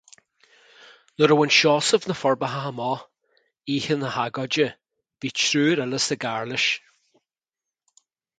Nuair a bhain Seosamh na Forbacha amach oíche na hagóide, bhí triúr eile sa gcarr leis.